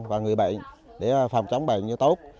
và người bệnh để phòng chống bệnh như tốt